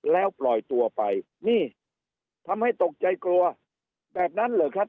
แล้วปล่อยตัวไปนี่ทำให้ตกใจกลัวแบบนั้นเหรอครับ